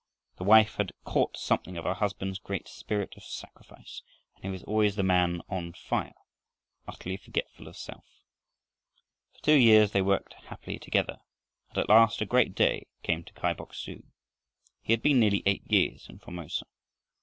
The wife had caught something of her husband's great spirit of sacrifice, and he was always the man on fire, utterly forgetful of self. For two years they worked happily together and at last a great day came to Kai Bok su. He had been nearly eight years in Formosa.